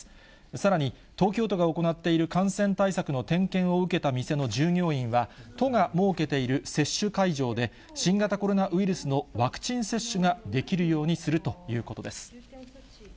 さらに、東京都が行っている感染対策の点検を受けた店の従業員は、都が設けている接種会場で、新型コロナウイルスのワクチン接種ができるようにするということです。